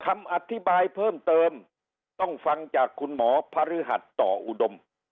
คำอธิบายเพิ่มเติมต้องฟังจากคุณหมอพระฤหัสต่ออุดม